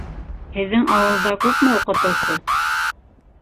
Һеҙҙең ауылда күпме уҡытыусы?